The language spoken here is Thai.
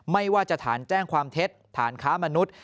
ไม่ว่าจะฐานแจ้งความเท็จฐานค้ามนุษย์